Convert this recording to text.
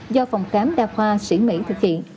do phòng khám đa khoa sĩ mỹ thực hiện